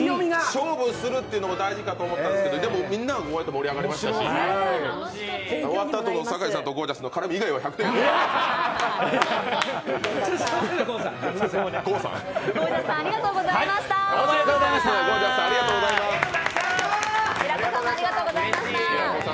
勝負するっていうのも大事かと思ったんですけどでもみんながこうやって盛り上がりましたし、終わったあとの酒井さんとゴー☆ジャスの絡み以外は１００点でした。